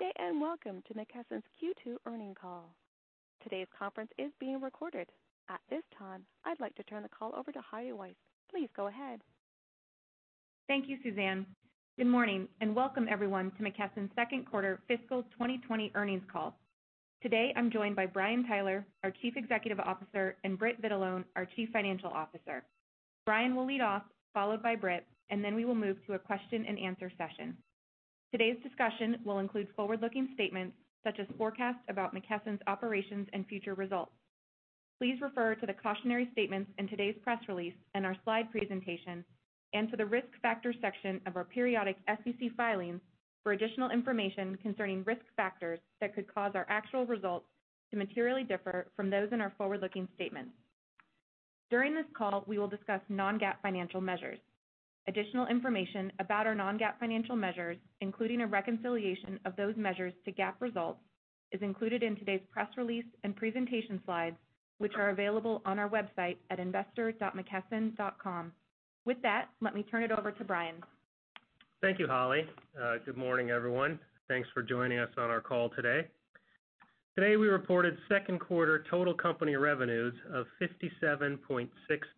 Good day and welcome to McKesson's Q2 earnings call. Today's conference is being recorded. At this time, I'd like to turn the call over to Holly Weiss. Please go ahead. Thank you, Holly. Good morning and welcome everyone to McKesson's second quarter fiscal 2020 earnings call. Today I'm joined by Brian Tyler, our Chief Executive Officer, and Britt Vitalone, our Chief Financial Officer. Brian will lead off, followed by Britt, then we will move to a question and answer session. Today's discussion will include forward-looking statements such as forecasts about McKesson's operations and future results. Please refer to the cautionary statements in today's press release and our slide presentation, to the risk factor section of our periodic SEC filings for additional information concerning risk factors that could cause our actual results to materially differ from those in our forward-looking statements. During this call, we will discuss non-GAAP financial measures. Additional information about our non-GAAP financial measures, including a reconciliation of those measures to GAAP results, is included in today's press release and presentation slides, which are available on our website at investor.mckesson.com. With that, let me turn it over to Brian. Thank you, Holly. Good morning, everyone. Thanks for joining us on our call today. Today, we reported second quarter total company revenues of $57.6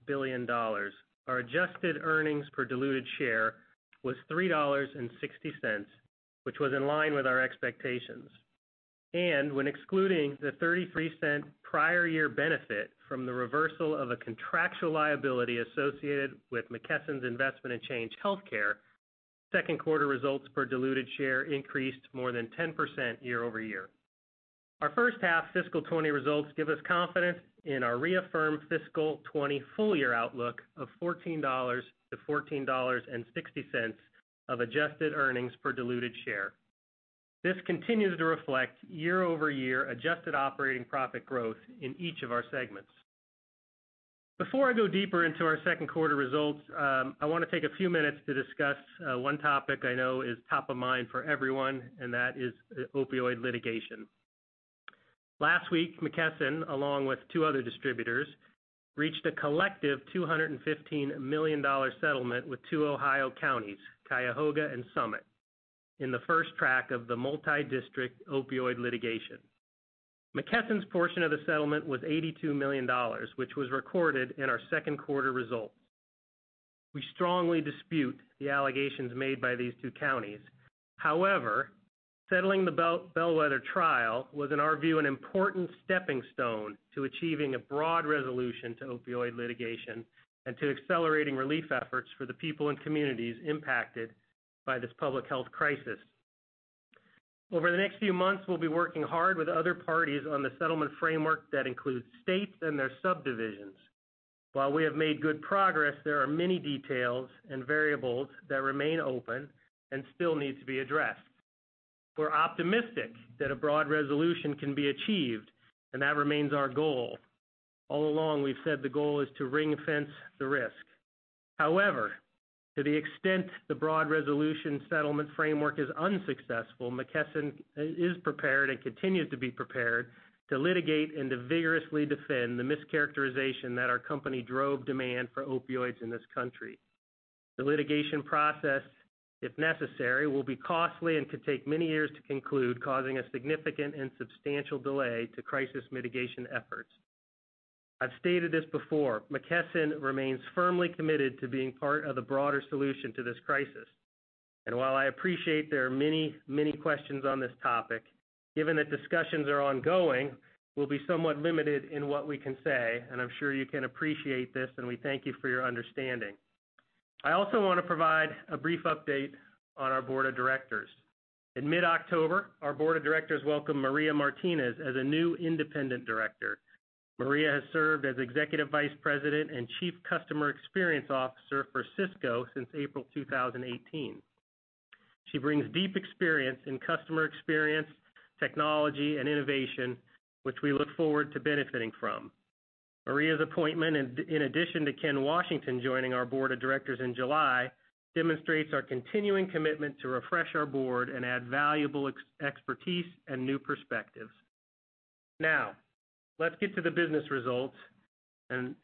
billion. Our adjusted earnings per diluted share was $3.60, which was in line with our expectations. When excluding the $0.33 prior year benefit from the reversal of a contractual liability associated with McKesson's investment in Change Healthcare, second quarter results per diluted share increased more than 10% year-over-year. Our first half fiscal 2020 results give us confidence in our reaffirmed fiscal 2020 full year outlook of $14.00-$14.60 of adjusted earnings per diluted share. This continues to reflect year-over-year adjusted operating profit growth in each of our segments. Before I go deeper into our second quarter results, I want to take a few minutes to discuss one topic I know is top of mind for everyone. That is Opioid Litigation. Last week, McKesson, along with two other distributors, reached a collective $215 million settlement with two Ohio counties, Cuyahoga and Summit, in the first track of the multi-district Opioid Litigation. McKesson's portion of the settlement was $82 million, which was recorded in our second quarter results. We strongly dispute the allegations made by these two counties. Settling the bellwether trial was, in our view, an important stepping stone to achieving a broad resolution to Opioid Litigation and to accelerating relief efforts for the people and communities impacted by this public health crisis. Over the next few months, we'll be working hard with other parties on the settlement framework that includes states and their subdivisions. While we have made good progress, there are many details and variables that remain open and still need to be addressed. We're optimistic that a broad resolution can be achieved, and that remains our goal. All along, we've said the goal is to ring-fence the risk. However, to the extent the broad resolution settlement framework is unsuccessful, McKesson is prepared and continues to be prepared to litigate and to vigorously defend the mischaracterization that our company drove demand for opioids in this country. The litigation process, if necessary, will be costly and could take many years to conclude, causing a significant and substantial delay to crisis mitigation efforts. I've stated this before, McKesson remains firmly committed to being part of the broader solution to this crisis. While I appreciate there are many questions on this topic, given that discussions are ongoing, we'll be somewhat limited in what we can say, and I'm sure you can appreciate this, and we thank you for your understanding. I also want to provide a brief update on our board of directors. In mid-October, our board of directors welcomed Maria Martinez as a new independent director. Maria has served as Executive Vice President and Chief Customer Experience Officer for Cisco since April 2018. She brings deep experience in customer experience, technology, and innovation, which we look forward to benefiting from. Maria's appointment, in addition to Ken Washington joining our board of directors in July, demonstrates our continuing commitment to refresh our board and add valuable expertise and new perspectives. Let's get to the business results and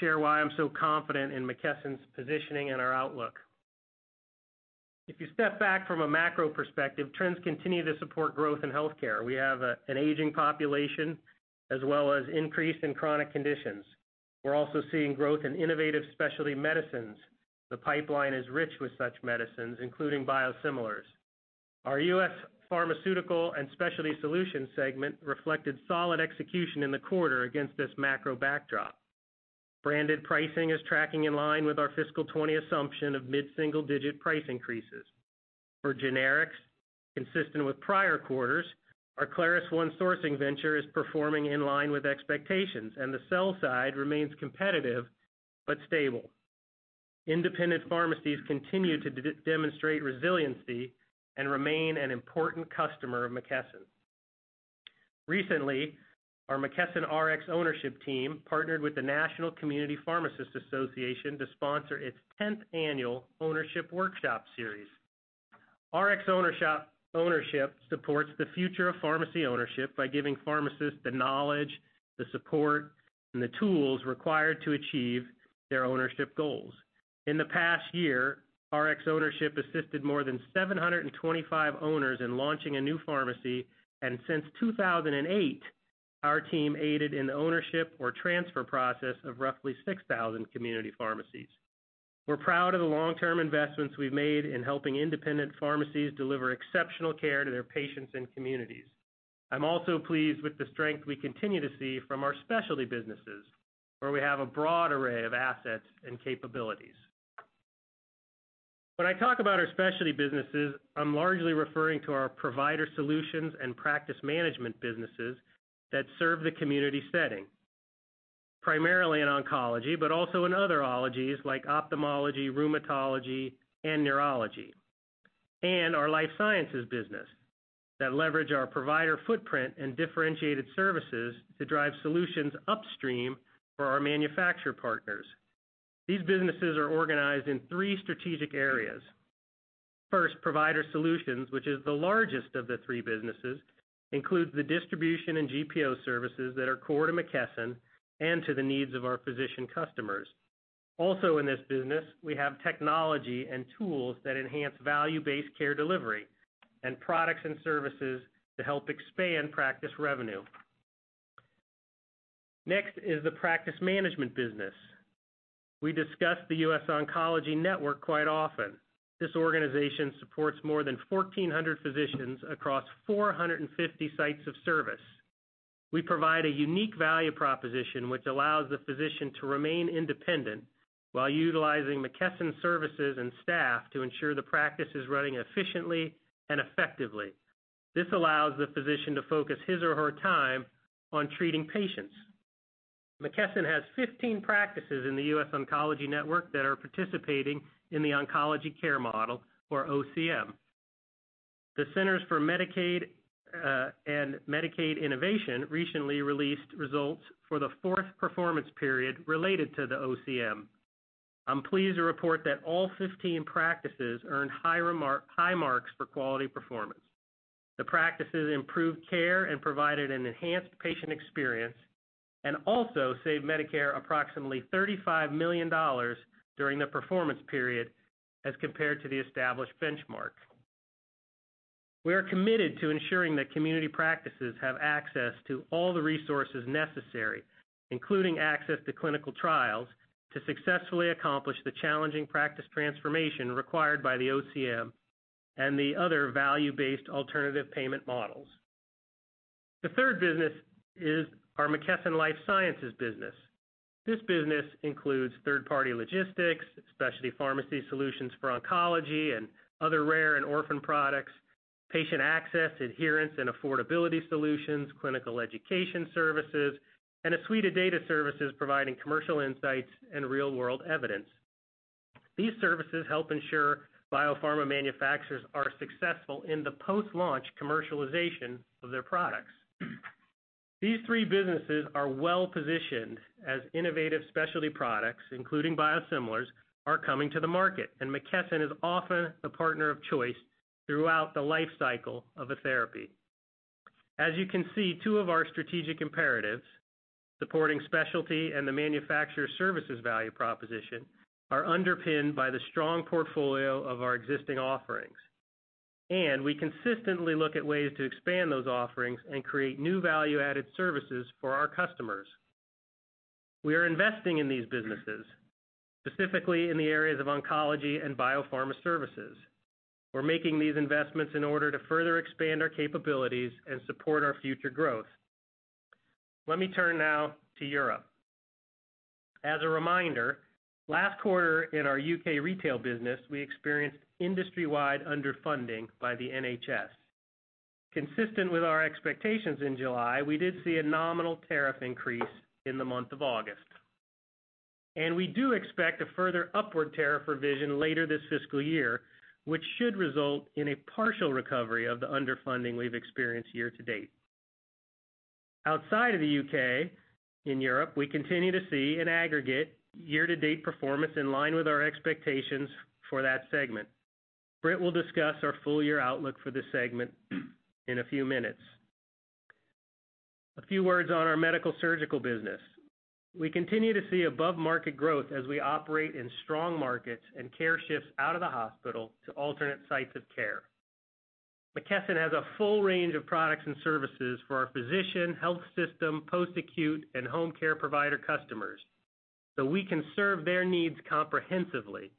share why I'm so confident in McKesson's positioning and our outlook. If you step back from a macro perspective, trends continue to support growth in healthcare. We have an aging population as well as increase in chronic conditions. We're also seeing growth in innovative specialty medicines. The pipeline is rich with such medicines, including biosimilars. Our U.S. Pharmaceutical and Specialty Solutions segment reflected solid execution in the quarter against this macro backdrop. Branded pricing is tracking in line with our fiscal 2020 assumption of mid-single-digit price increases. For generics, consistent with prior quarters, our ClarusONE sourcing venture is performing in line with expectations. The sell side remains competitive but stable. Independent pharmacies continue to demonstrate resiliency and remain an important customer of McKesson. Recently, our McKesson RxOwnership team partnered with the National Community Pharmacists Association to sponsor its 10th annual Ownership Workshop series. RxOwnership supports the future of pharmacy ownership by giving pharmacists the knowledge, the support, and the tools required to achieve their ownership goals. In the past year, RxOwnership assisted more than 725 owners in launching a new pharmacy, and since 2008, our team aided in the ownership or transfer process of roughly 6,000 community pharmacies. We're proud of the long-term investments we've made in helping independent pharmacies deliver exceptional care to their patients and communities. I'm also pleased with the strength we continue to see from our specialty businesses, where we have a broad array of assets and capabilities. When I talk about our specialty businesses, I'm largely referring to our provider solutions and practice management businesses that serve the community setting, primarily in oncology, but also in other -ologies like ophthalmology, rheumatology, and neurology. Our Life Sciences business that leverage our provider footprint and differentiated services to drive solutions upstream for our manufacturer partners. These businesses are organized in three strategic areas. First, provider solutions, which is the largest of the three businesses, includes the distribution and GPO services that are core to McKesson and to the needs of our physician customers. Also, in this business, we have technology and tools that enhance value-based care delivery and products and services to help expand practice revenue. Next is the practice management business. We discuss The US Oncology Network quite often. This organization supports more than 1,400 physicians across 450 sites of service. We provide a unique value proposition which allows the physician to remain independent while utilizing McKesson services and staff to ensure the practice is running efficiently and effectively. This allows the physician to focus his or her time on treating patients. McKesson has 15 practices in The US Oncology Network that are participating in the Oncology Care Model, or OCM. The Center for Medicare and Medicaid Innovation recently released results for the fourth performance period related to the OCM. I'm pleased to report that all 15 practices earned high marks for quality performance. The practices improved care and provided an enhanced patient experience, and also saved Medicare approximately $35 million during the performance period as compared to the established benchmark. We are committed to ensuring that community practices have access to all the resources necessary, including access to clinical trials, to successfully accomplish the challenging practice transformation required by the OCM and the other value-based alternative payment models. The third business is our McKesson Life Sciences business. This business includes third-party logistics, specialty pharmacy solutions for oncology and other rare and orphan products, patient access, adherence, and affordability solutions, clinical education services, and a suite of data services providing commercial insights and real-world evidence. These services help ensure biopharma manufacturers are successful in the post-launch commercialization of their products. These three businesses are well-positioned as innovative specialty products, including biosimilars, are coming to the market, and McKesson is often the partner of choice throughout the life cycle of a therapy. As you can see, two of our strategic imperatives, supporting specialty and the manufacturer services value proposition, are underpinned by the strong portfolio of our existing offerings. We consistently look at ways to expand those offerings and create new value-added services for our customers. We are investing in these businesses, specifically in the areas of oncology and biopharma services. We're making these investments in order to further expand our capabilities and support our future growth. Let me turn now to Europe. As a reminder, last quarter in our U.K. retail business, we experienced industry-wide underfunding by the NHS. Consistent with our expectations in July, we did see a nominal tariff increase in the month of August. We do expect a further upward tariff revision later this fiscal year, which should result in a partial recovery of the underfunding we've experienced year-to-date. Outside of the U.K., in Europe, we continue to see an aggregate year-to-date performance in line with our expectations for that segment. Britt will discuss our full-year outlook for this segment in a few minutes. A few words on our Medical-Surgical Solutions business. We continue to see above-market growth as we operate in strong markets and care shifts out of the hospital to alternate sites of care. McKesson has a full range of products and services for our physician, health system, post-acute, and home care provider customers, so we can serve their needs comprehensively.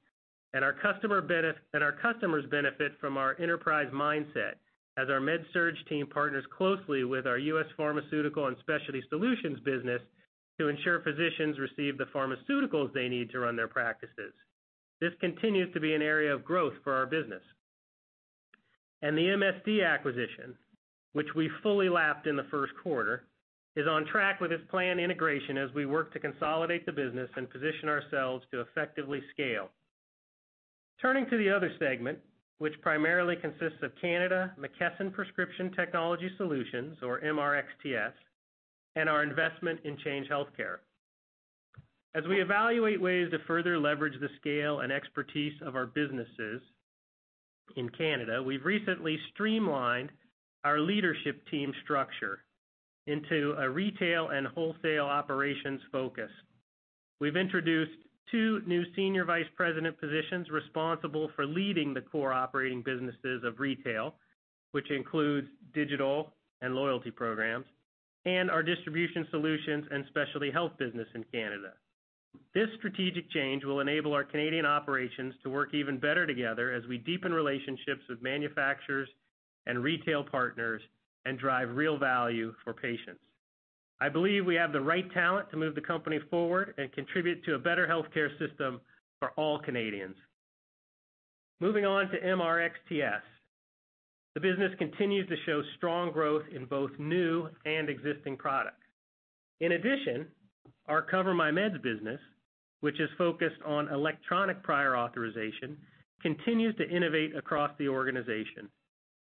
Our customers benefit from our enterprise mindset as our Med-Surg team partners closely with our U.S. Pharmaceutical and Specialty Solutions business to ensure physicians receive the pharmaceuticals they need to run their practices. This continues to be an area of growth for our business. The MSD acquisition, which we fully lapped in the first quarter, is on track with its planned integration as we work to consolidate the business and position ourselves to effectively scale. Turning to the other segment, which primarily consists of Canada, McKesson Prescription Technology Solutions, or MRxTS, and our investment in Change Healthcare. As we evaluate ways to further leverage the scale and expertise of our businesses in Canada, we've recently streamlined our leadership team structure into a retail and wholesale operations focus. We've introduced two new senior vice president positions responsible for leading the core operating businesses of retail, which includes digital and loyalty programs, and our distribution solutions and specialty health business in Canada. This strategic change will enable our Canadian operations to work even better together as we deepen relationships with manufacturers and retail partners, and drive real value for patients. I believe we have the right talent to move the company forward and contribute to a better healthcare system for all Canadians. Moving on to MRxTS. The business continues to show strong growth in both new and existing products. In addition, our CoverMyMeds business, which is focused on electronic prior authorization, continues to innovate across the organization.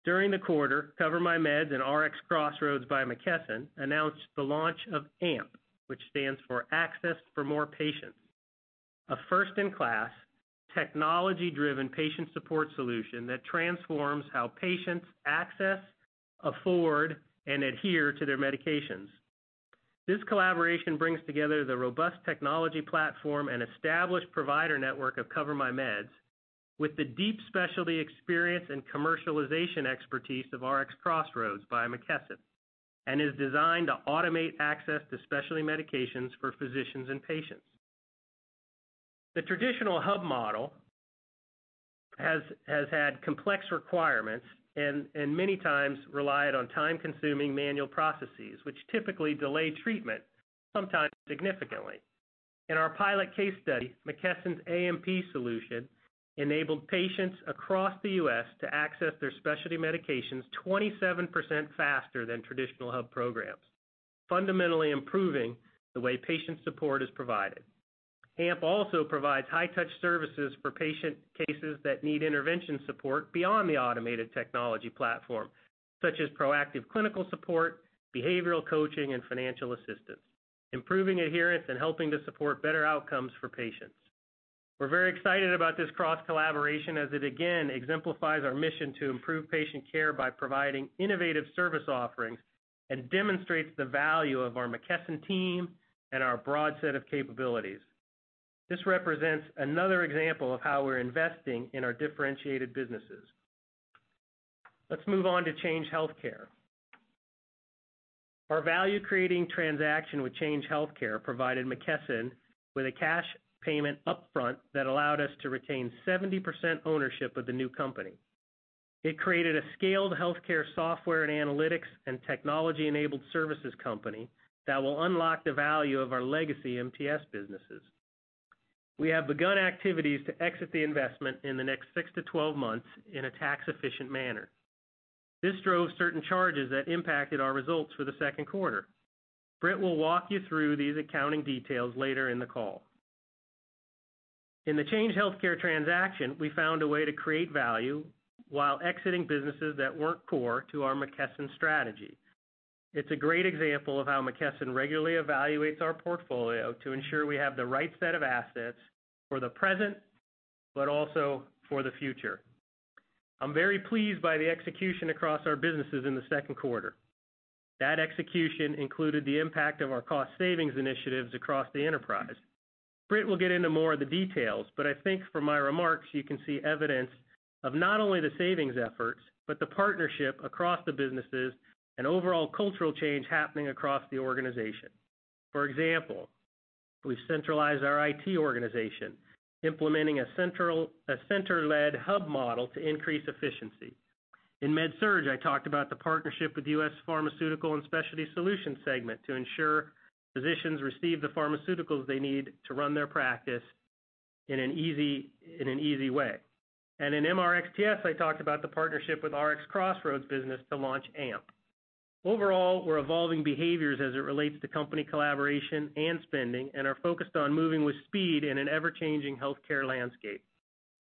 During the quarter, CoverMyMeds and RxCrossroads by McKesson announced the launch of AMP, which stands for Access for More Patients, a first-in-class, technology-driven patient support solution that transforms how patients access, afford, and adhere to their medications. This collaboration brings together the robust technology platform and established provider network of CoverMyMeds with the deep specialty experience and commercialization expertise of RxCrossroads by McKesson, and is designed to automate access to specialty medications for physicians and patients. The traditional hub model has had complex requirements and many times relied on time-consuming manual processes, which typically delay treatment, sometimes significantly. In our pilot case study, McKesson's AMP solution enabled patients across the U.S. to access their specialty medications 27% faster than traditional hub programs, fundamentally improving the way patient support is provided. AMP also provides high-touch services for patient cases that need intervention support beyond the automated technology platform, such as proactive clinical support, behavioral coaching, and financial assistance, improving adherence and helping to support better outcomes for patients. We're very excited about this cross-collaboration as it, again, exemplifies our mission to improve patient care by providing innovative service offerings, and demonstrates the value of our McKesson team and our broad set of capabilities. This represents another example of how we're investing in our differentiated businesses. Let's move on to Change Healthcare. Our value-creating transaction with Change Healthcare provided McKesson with a cash payment upfront that allowed us to retain 70% ownership of the new company. It created a scaled healthcare software and analytics and technology-enabled services company that will unlock the value of our legacy MRxTS businesses. We have begun activities to exit the investment in the next 6 to 12 months in a tax-efficient manner. This drove certain charges that impacted our results for the second quarter. Britt will walk you through these accounting details later in the call. In the Change Healthcare transaction, we found a way to create value while exiting businesses that weren't core to our McKesson strategy. It's a great example of how McKesson regularly evaluates our portfolio to ensure we have the right set of assets for the present, but also for the future. I'm very pleased by the execution across our businesses in the second quarter. That execution included the impact of our cost savings initiatives across the enterprise. Britt will get into more of the details, but I think from my remarks, you can see evidence of not only the savings efforts, but the partnership across the businesses and overall cultural change happening across the organization. For example, we've centralized our IT organization, implementing a center-led hub model to increase efficiency. In MedSurg, I talked about the partnership with U.S. Pharmaceutical and Specialty Solutions segment to ensure physicians receive the pharmaceuticals they need to run their practice in an easy way. In MRxTS, I talked about the partnership with RxCrossroads business to launch AMP. Overall, we're evolving behaviors as it relates to company collaboration and spending and are focused on moving with speed in an ever-changing healthcare landscape.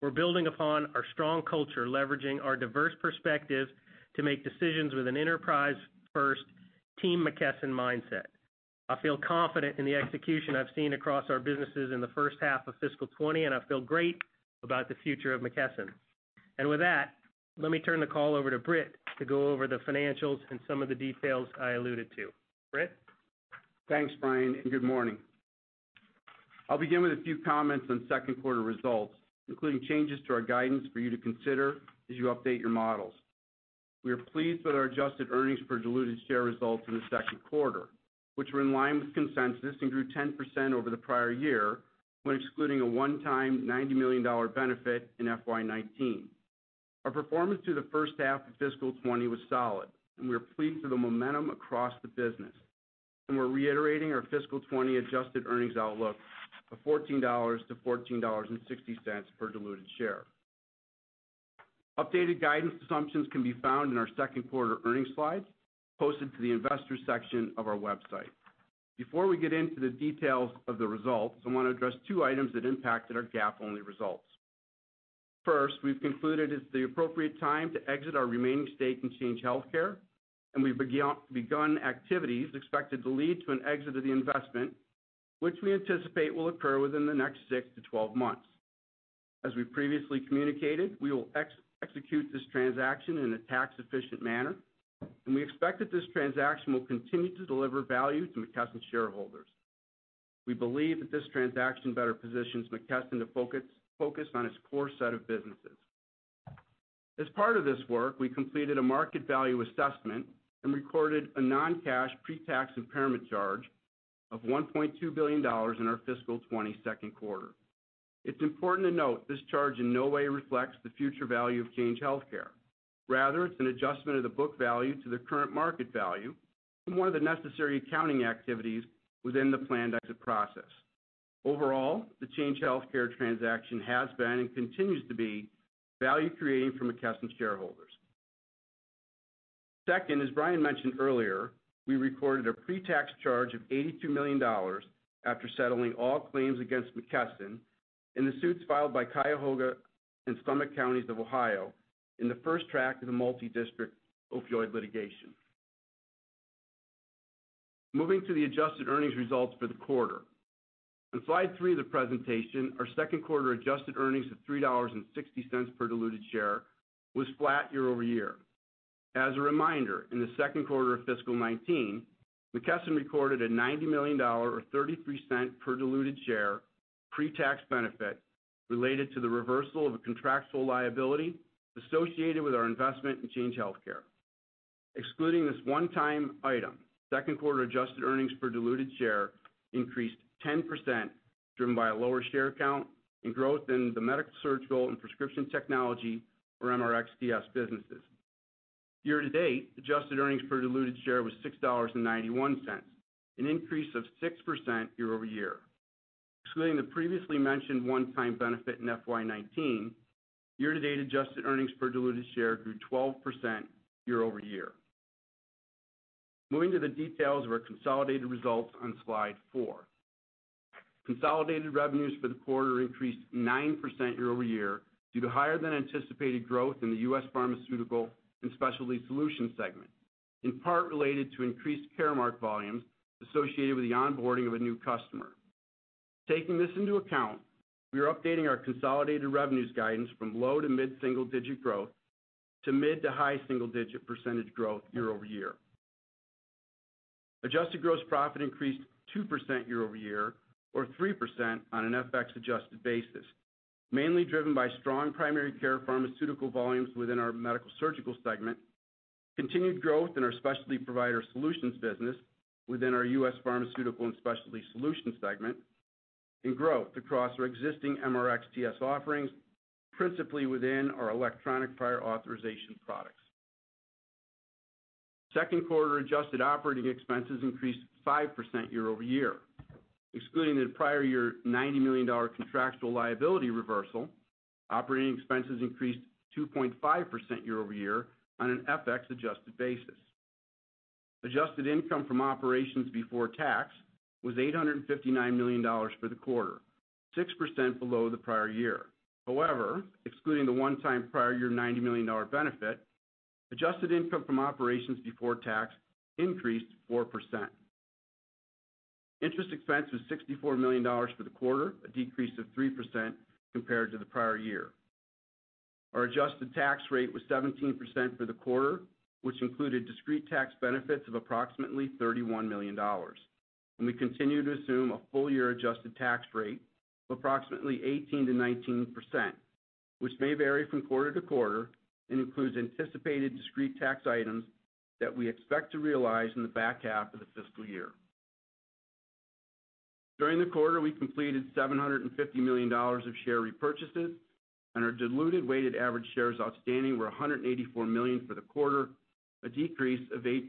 We're building upon our strong culture, leveraging our diverse perspectives to make decisions with an enterprise-first Team McKesson mindset. I feel confident in the execution I've seen across our businesses in the first half of fiscal 2020, and I feel great about the future of McKesson. With that, let me turn the call over to Britt to go over the financials and some of the details I alluded to. Britt? Thanks, Brian. Good morning. I'll begin with a few comments on second quarter results, including changes to our guidance for you to consider as you update your models. We are pleased with our adjusted earnings per diluted share results in the second quarter, which were in line with consensus and grew 10% over the prior year, when excluding a one-time $90 million benefit in FY 2019. Our performance through the first half of fiscal 2020 was solid. We are pleased with the momentum across the business. We're reiterating our fiscal 2020 adjusted earnings outlook of $14-$14.60 per diluted share. Updated guidance assumptions can be found in our second quarter earnings slides, posted to the investors section of our website. Before we get into the details of the results, I want to address two items that impacted our GAAP-only results. First, we've concluded it's the appropriate time to exit our remaining stake in Change Healthcare, and we've begun activities expected to lead to an exit of the investment, which we anticipate will occur within the next 6 to 12 months. As we previously communicated, we will execute this transaction in a tax-efficient manner, and we expect that this transaction will continue to deliver value to McKesson shareholders. We believe that this transaction better positions McKesson to focus on its core set of businesses. As part of this work, we completed a market value assessment and recorded a non-cash pre-tax impairment charge of $1.2 billion in our fiscal 2020 2nd quarter. It's important to note, this charge in no way reflects the future value of Change Healthcare. Rather, it's an adjustment of the book value to the current market value and one of the necessary accounting activities within the planned exit process. Overall, the Change Healthcare transaction has been, and continues to be, value creating for McKesson shareholders. Second, as Brian mentioned earlier, we recorded a pre-tax charge of $82 million after settling all claims against McKesson in the suits filed by Cuyahoga and Summit Counties of Ohio in the first track of the multi-district opioid litigation. Moving to the adjusted earnings results for the quarter. On slide three of the presentation, our second quarter adjusted earnings of $3.60 per diluted share was flat year-over-year. As a reminder, in the second quarter of fiscal 2019, McKesson recorded a $90 million, or $0.33 per diluted share pre-tax benefit related to the reversal of a contractual liability associated with our investment in Change Healthcare. Excluding this one-time item, second quarter adjusted earnings per diluted share increased 10%, driven by a lower share count and growth in the medical, surgical, and prescription technology, or MRxTS businesses. Year-to-date, adjusted earnings per diluted share was $6.91, an increase of 6% year-over-year. Excluding the previously mentioned one-time benefit in FY 2019, year-to-date adjusted earnings per diluted share grew 12% year-over-year. Moving to the details of our consolidated results on slide four. Consolidated revenues for the quarter increased 9% year-over-year due to higher than anticipated growth in the U.S. Pharmaceutical and Specialty Solutions segment, in part related to increased Caremark volumes associated with the onboarding of a new customer. Taking this into account, we are updating our consolidated revenues guidance from low to mid-single digit growth to mid to high-single digit percentage growth year-over-year. Adjusted gross profit increased 2% year-over-year, or 3% on an FX-adjusted basis, mainly driven by strong primary care pharmaceutical volumes within our Medical-Surgical Solutions segment, continued growth in our specialty provider solutions business within our U.S. Pharmaceutical and Specialty Solutions segment, and growth across our existing MRxTS offerings, principally within our electronic prior authorization products. Second quarter adjusted operating expenses increased 5% year-over-year. Excluding the prior year $90 million contractual liability reversal, operating expenses increased 2.5% year-over-year on an FX-adjusted basis. Adjusted income from operations before tax was $859 million for the quarter, 6% below the prior year. However, excluding the one-time prior year $90 million benefit, adjusted income from operations before tax increased 4%. Interest expense was $64 million for the quarter, a decrease of 3% compared to the prior year. Our adjusted tax rate was 17% for the quarter, which included discrete tax benefits of approximately $31 million. We continue to assume a full year adjusted tax rate of approximately 18%-19%, which may vary from quarter to quarter and includes anticipated discrete tax items that we expect to realize in the back half of the fiscal year. During the quarter, we completed $750 million of share repurchases, and our diluted weighted average shares outstanding were 184 million for the quarter, a decrease of 8%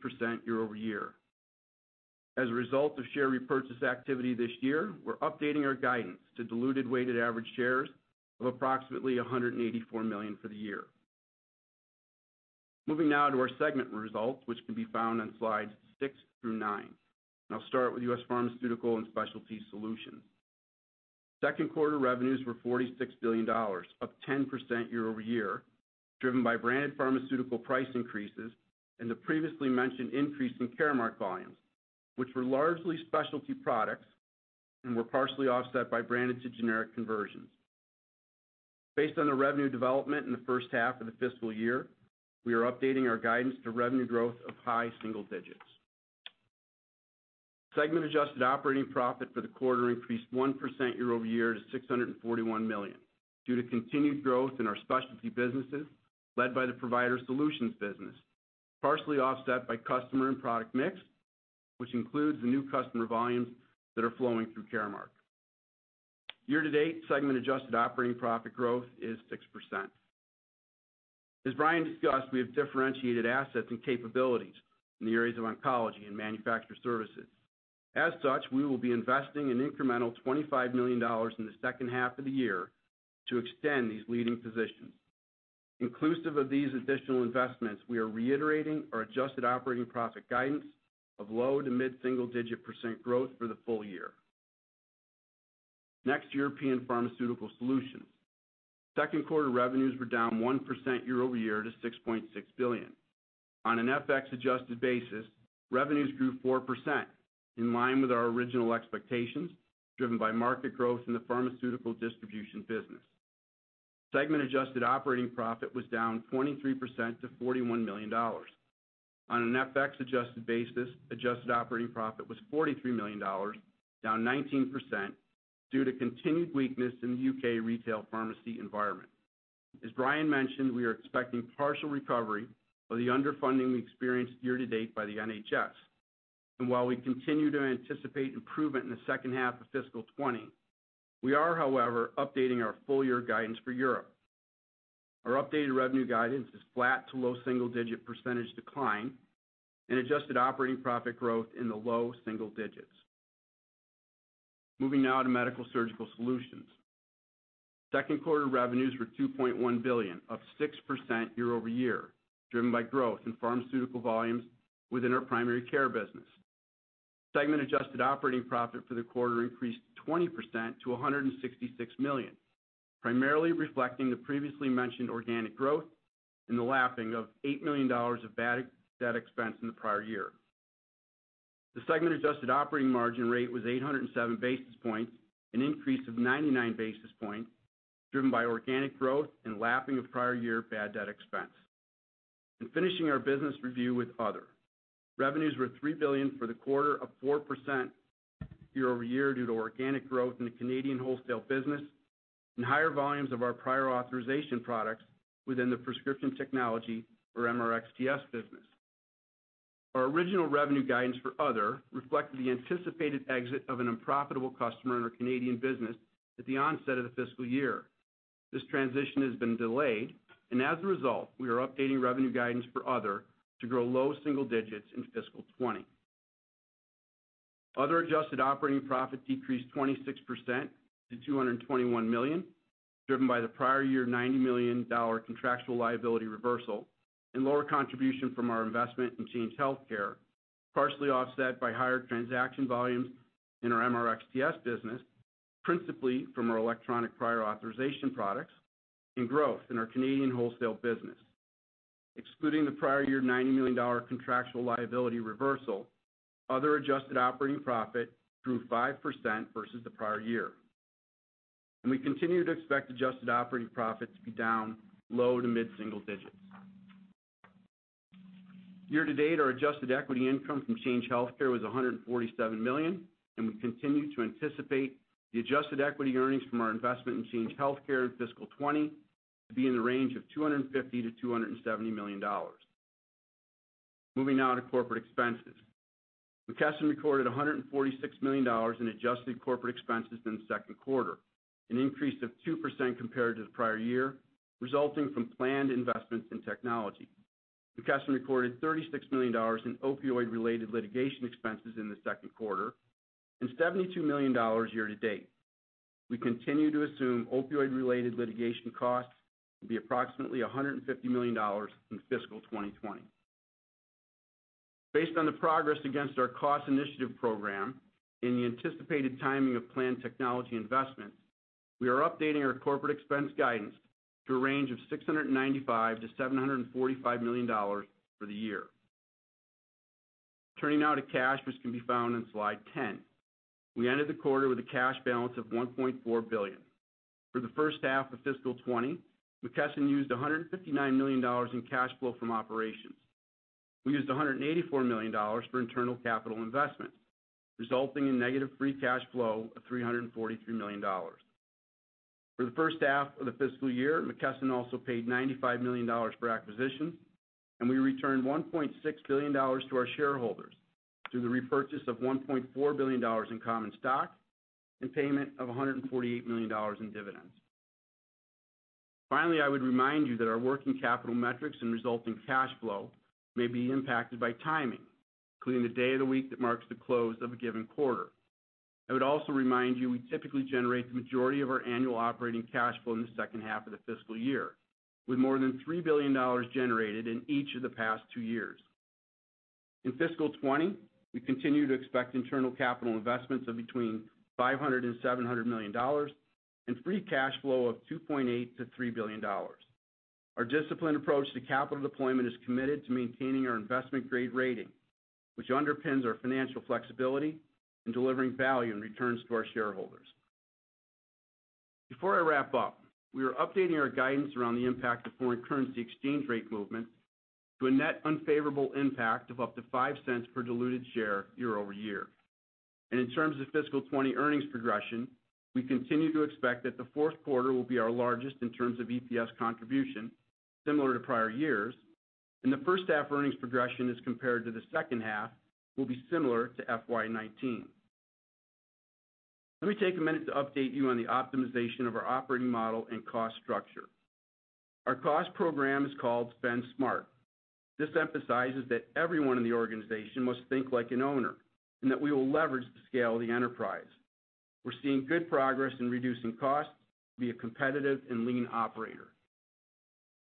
year-over-year. As a result of share repurchase activity this year, we're updating our guidance to diluted weighted average shares of approximately 184 million for the year. Moving now to our segment results, which can be found on slides six through nine. I'll start with U.S. Pharmaceutical and Specialty Solutions. Second quarter revenues were $46 billion, up 10% year-over-year, driven by branded pharmaceutical price increases and the previously mentioned increase in Caremark volumes, which were largely specialty products and were partially offset by branded to generic conversions. Based on the revenue development in the first half of the fiscal year, we are updating our guidance to revenue growth of high single digits. Segment adjusted operating profit for the quarter increased 1% year-over-year to $641 million, due to continued growth in our specialty businesses led by the provider solutions business, partially offset by customer and product mix, which includes the new customer volumes that are flowing through Caremark. Year-to-date, segment adjusted operating profit growth is 6%. As Brian discussed, we have differentiated assets and capabilities in the areas of oncology and manufacturer services. We will be investing an incremental $25 million in the second half of the year to extend these leading positions. Inclusive of these additional investments, we are reiterating our adjusted operating profit guidance of low to mid single digit % growth for the full year. European Pharmaceutical Solutions. Second quarter revenues were down 1% year-over-year to $6.6 billion. On an FX adjusted basis, revenues grew 4%, in line with our original expectations, driven by market growth in the pharmaceutical distribution business. Segment adjusted operating profit was down 23% to $41 million. On an FX adjusted basis, adjusted operating profit was $43 million, down 19%, due to continued weakness in the U.K. retail pharmacy environment. As Brian mentioned, we are expecting partial recovery of the underfunding we experienced year-to-date by the NHS. While we continue to anticipate improvement in the second half of fiscal 2020, we are, however, updating our full year guidance for Europe. Our updated revenue guidance is flat to low single-digit % decline and adjusted operating profit growth in the low single digits. Moving now to Medical-Surgical Solutions. Second quarter revenues were $2.1 billion, up 6% year-over-year, driven by growth in pharmaceutical volumes within our primary care business. Segment adjusted operating profit for the quarter increased 20% to $166 million, primarily reflecting the previously mentioned organic growth and the lapping of $8 million of bad debt expense in the prior year. The segment adjusted operating margin rate was 807 basis points, an increase of 99 basis points, driven by organic growth and lapping of prior year bad debt expense. Finishing our business review with Other. Revenues were $3 billion for the quarter, up 4% year-over-year due to organic growth in the Canadian wholesale business and higher volumes of our prior authorization products within the prescription technology or MRxTS business. Our original revenue guidance for Other reflected the anticipated exit of an unprofitable customer in our Canadian business at the onset of the fiscal year. As a result, we are updating revenue guidance for Other to grow low single digits in fiscal 2020. Other adjusted operating profit decreased 26% to $221 million, driven by the prior year $90 million contractual liability reversal and lower contribution from our investment in Change Healthcare, partially offset by higher transaction volumes in our MRxTS business, principally from our electronic prior authorization products and growth in our Canadian wholesale business. Excluding the prior year $90 million contractual liability reversal, Other adjusted operating profit grew 5% versus the prior year. We continue to expect adjusted operating profit to be down low to mid single digits. Year-to-date, our adjusted equity income from Change Healthcare was $147 million, and we continue to anticipate the adjusted equity earnings from our investment in Change Healthcare in fiscal 2020 to be in the range of $250 million-$270 million. Moving now to corporate expenses. McKesson recorded $146 million in adjusted corporate expenses in the second quarter, an increase of 2% compared to the prior year, resulting from planned investments in technology. McKesson recorded $36 million in opioid-related litigation expenses in the second quarter and $72 million year-to-date. We continue to assume opioid-related litigation costs will be approximately $150 million in fiscal 2020. Based on the progress against our cost initiative program and the anticipated timing of planned technology investments, we are updating our corporate expense guidance to a range of $695 million-$745 million for the year. Turning now to cash, which can be found on slide 10. We ended the quarter with a cash balance of $1.4 billion. For the first half of fiscal 2020, McKesson used $159 million in cash flow from operations. We used $184 million for internal capital investment, resulting in negative free cash flow of $343 million. For the first half of the fiscal year, McKesson also paid $95 million for acquisitions, and we returned $1.6 billion to our shareholders through the repurchase of $1.4 billion in common stock and payment of $148 million in dividends. Finally, I would remind you that our working capital metrics and resulting cash flow may be impacted by timing, including the day of the week that marks the close of a given quarter. I would also remind you, we typically generate the majority of our annual operating cash flow in the second half of the fiscal year, with more than $3 billion generated in each of the past two years. In fiscal 2020, we continue to expect internal capital investments of between $500 million and $700 million and free cash flow of $2.8 billion-$3 billion. Our disciplined approach to capital deployment is committed to maintaining our investment-grade rating, which underpins our financial flexibility in delivering value and returns to our shareholders. Before I wrap up, we are updating our guidance around the impact of foreign currency exchange rate movement to a net unfavorable impact of up to $0.05 per diluted share year-over-year. In terms of fiscal 2020 earnings progression, we continue to expect that the fourth quarter will be our largest in terms of EPS contribution, similar to prior years, and the first half earnings progression as compared to the second half will be similar to FY 2019. Let me take a minute to update you on the optimization of our operating model and cost structure. Our cost program is called Spend Smart. This emphasizes that everyone in the organization must think like an owner and that we will leverage the scale of the enterprise. We're seeing good progress in reducing costs to be a competitive and lean operator.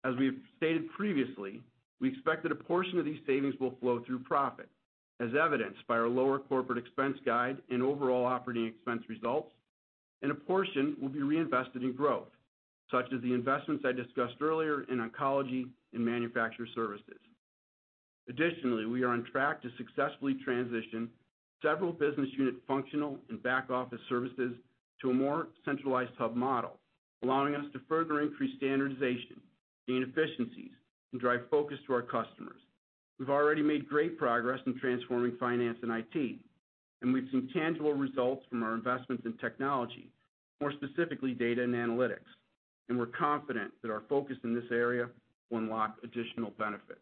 As we've stated previously, we expect that a portion of these savings will flow through profit, as evidenced by our lower corporate expense guide and overall operating expense results, and a portion will be reinvested in growth, such as the investments I discussed earlier in oncology and manufacturer services. Additionally, we are on track to successfully transition several business unit functional and back office services to a more centralized hub model, allowing us to further increase standardization, gain efficiencies, and drive focus to our customers. We've already made great progress in transforming finance and IT, and we've seen tangible results from our investments in technology, more specifically data and analytics. We're confident that our focus in this area will unlock additional benefits.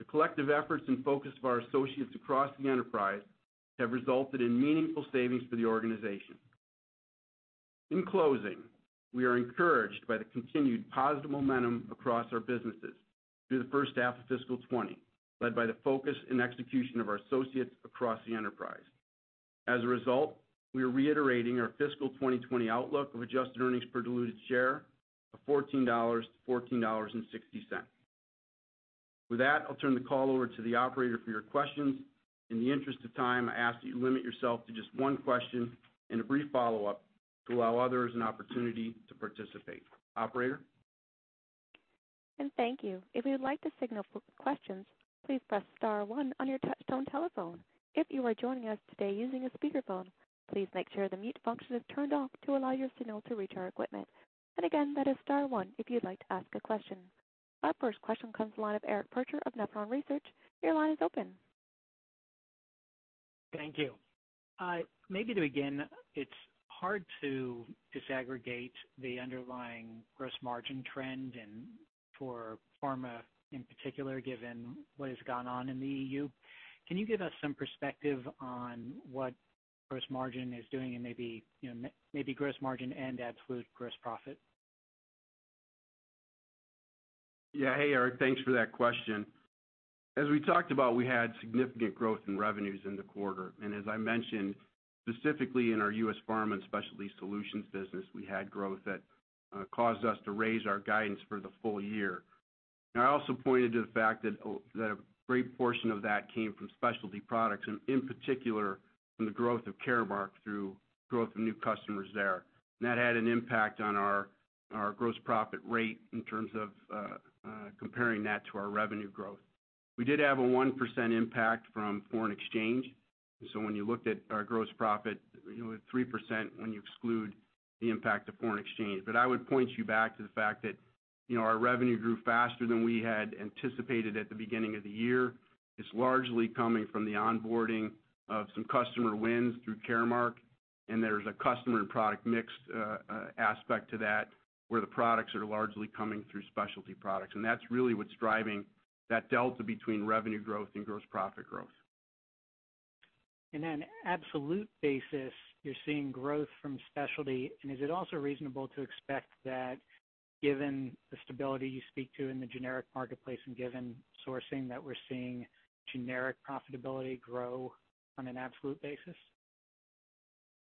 The collective efforts and focus of our associates across the enterprise have resulted in meaningful savings for the organization. In closing, we are encouraged by the continued positive momentum across our businesses through the first half of fiscal 2020, led by the focus and execution of our associates across the enterprise. We are reiterating our fiscal 2020 outlook of adjusted earnings per diluted share of $14-$14.60. With that, I'll turn the call over to the operator for your questions. In the interest of time, I ask that you limit yourself to just one question and a brief follow-up to allow others an opportunity to participate. Operator? Thank you. If you would like to signal for questions, please press star one on your touch tone telephone. If you are joining us today using a speakerphone, please make sure the mute function is turned off to allow your signal to reach our equipment. Again, that is star one if you'd like to ask a question. Our first question comes the line of Eric Percher of Nephron Research. Your line is open. Thank you. Maybe to begin, it's hard to disaggregate the underlying gross margin trend and for pharma in particular, given what has gone on in the EU. Can you give us some perspective on what gross margin is doing and maybe gross margin and absolute gross profit? Yeah. Hey, Eric. Thanks for that question. As we talked about, we had significant growth in revenues in the quarter, as I mentioned, specifically in our U.S. Pharmaceutical and specialty solutions business, we had growth that caused us to raise our guidance for the full year. I also pointed to the fact that a great portion of that came from specialty products, in particular from the growth of Caremark through growth of new customers there. That had an impact on our gross profit rate in terms of comparing that to our revenue growth. We did have a 1% impact from foreign exchange, when you looked at our gross profit, 3% when you exclude the impact of foreign exchange. I would point you back to the fact that our revenue grew faster than we had anticipated at the beginning of the year. It's largely coming from the onboarding of some customer wins through Caremark, and there's a customer and product mix aspect to that, where the products are largely coming through specialty products. That's really what's driving that delta between revenue growth and gross profit growth. In an absolute basis, you're seeing growth from specialty, and is it also reasonable to expect that given the stability you speak to in the generic marketplace and given sourcing that we're seeing generic profitability grow on an absolute basis?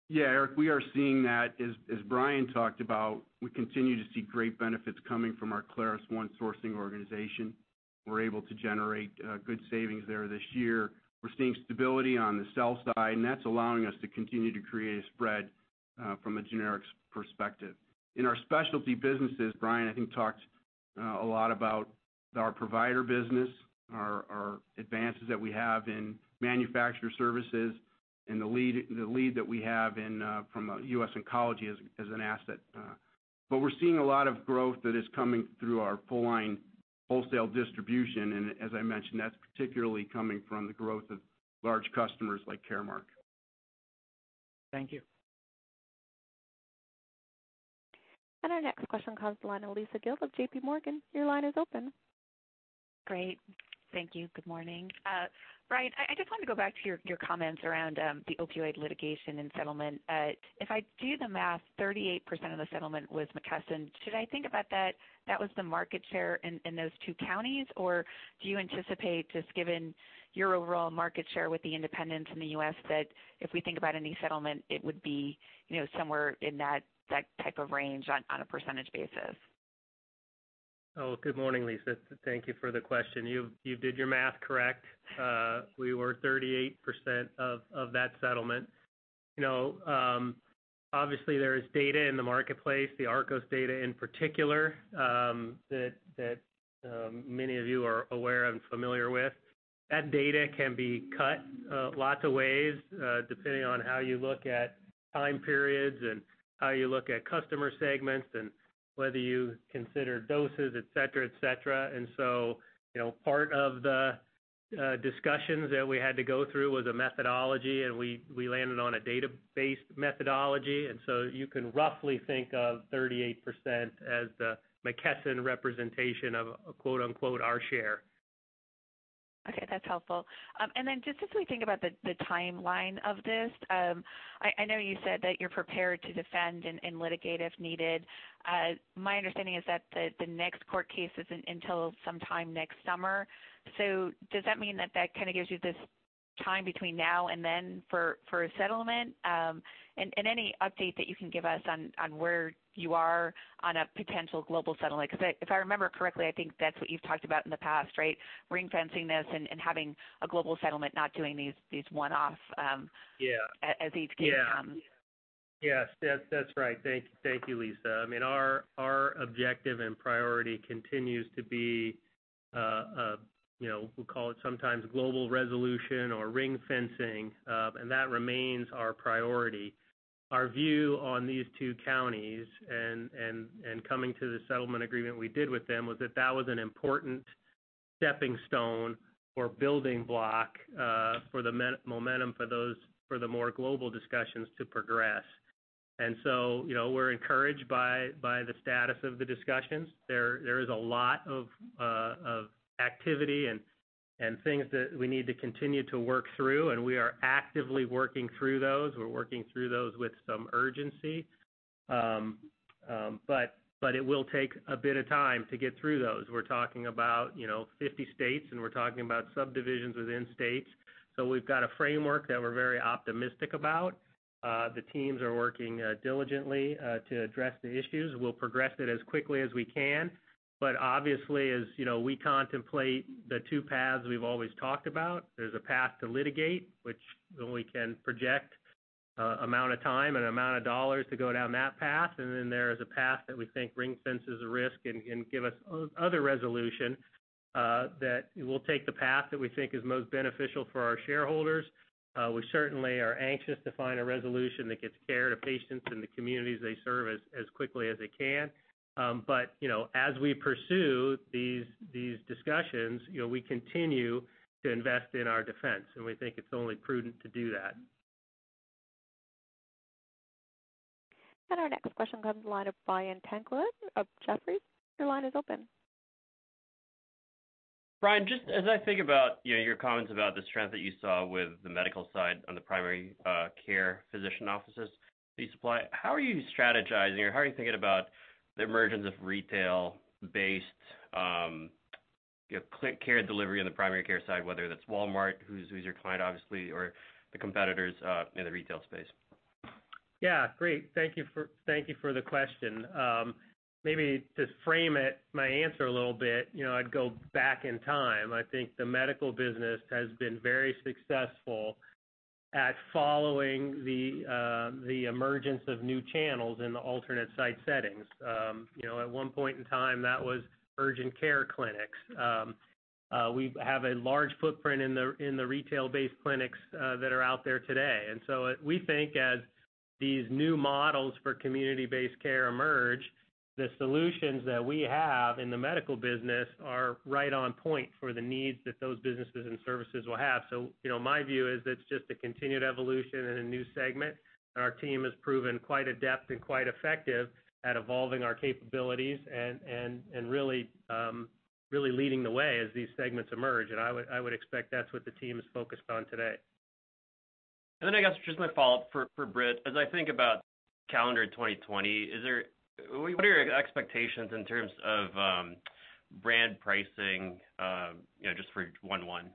Eric, we are seeing that. As Brian talked about, we continue to see great benefits coming from our ClarusONE sourcing organization. We're able to generate good savings there this year. We're seeing stability on the sell side, and that's allowing us to continue to create a spread from a generics perspective. In our specialty businesses, Brian, I think, talked a lot about our provider business, our advances that we have in manufacturer services, and the lead that we have from a US Oncology as an asset. We're seeing a lot of growth that is coming through our full line wholesale distribution, and as I mentioned, that's particularly coming from the growth of large customers like Caremark. Thank you. Our next question comes to the line of Lisa Gill of J.P. Morgan. Your line is open. Great. Thank you. Good morning. Brian, I just wanted to go back to your comments around the opioid litigation and settlement. If I do the math, 38% of the settlement was McKesson. Should I think about that was the market share in those two counties, or do you anticipate, just given your overall market share with the independents in the U.S., that if we think about any settlement, it would be somewhere in that type of range on a percentage basis? Good morning, Lisa. Thank you for the question. You did your math correct. We were 38% of that settlement. Obviously, there is data in the marketplace, the ARCOS data in particular, that many of you are aware of and familiar with. That data can be cut lots of ways, depending on how you look at time periods and how you look at customer segments and whether you consider doses, et cetera. Part of the discussions that we had to go through was a methodology, and we landed on a data-based methodology. You can roughly think of 38% as the McKesson representation of a quote-unquote "our share. Okay, that's helpful. Then just as we think about the timeline of this, I know you said that you're prepared to defend and litigate if needed. My understanding is that the next court case isn't until sometime next summer. Does that mean that that kind of gives you this time between now and then for a settlement. Any update that you can give us on where you are on a potential global settlement. If I remember correctly, I think that's what you've talked about in the past, right? Ring-fencing this and having a global settlement, not doing these one-off. Yeah as each case comes. Yes, that's right. Thank you, Lisa. Our objective and priority continues to be, we call it sometimes global resolution or ring-fencing. That remains our priority. Our view on these two counties and coming to the settlement agreement we did with them was that that was an important stepping stone or building block for the momentum for the more global discussions to progress. We're encouraged by the status of the discussions. There is a lot of activity and things that we need to continue to work through. We are actively working through those. We're working through those with some urgency. It will take a bit of time to get through those. We're talking about 50 states. We're talking about subdivisions within states. We've got a framework that we're very optimistic about. The teams are working diligently to address the issues. We'll progress it as quickly as we can, but obviously, as we contemplate the two paths we've always talked about, there's a path to litigate, which we can project amount of time and amount of dollars to go down that path, and then there is a path that we think ring-fences the risk and give us other resolution, that we'll take the path that we think is most beneficial for our shareholders. We certainly are anxious to find a resolution that gets care to patients and the communities they serve as quickly as they can. As we pursue these discussions, we continue to invest in our defense, and we think it's only prudent to do that. Our next question comes from the line of Brian Tanquilut of Jefferies. Your line is open. Brian, just as I think about your comments about the strength that you saw with the medical side on the primary care physician offices that you supply, how are you strategizing or how are you thinking about the emergence of retail-based care delivery on the primary care side, whether that's Walmart, who's your client, obviously, or the competitors in the retail space? Great. Thank you for the question. Maybe to frame it, my answer a little bit, I'd go back in time. I think the medical business has been very successful at following the emergence of new channels in the alternate site settings. At one point in time, that was urgent care clinics. We have a large footprint in the retail-based clinics that are out there today. We think as these new models for community-based care emerge, the solutions that we have in the medical business are right on point for the needs that those businesses and services will have. My view is it's just a continued evolution in a new segment, and our team has proven quite adept and quite effective at evolving our capabilities and really leading the way as these segments emerge. I would expect that's what the team is focused on today. I guess just my follow-up for Britt, as I think about calendar 2020, what are your expectations in terms of brand pricing, just for one-one?